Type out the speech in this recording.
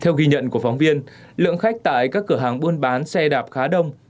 theo ghi nhận của phóng viên lượng khách tại các cửa hàng buôn bán xe đạp khá đông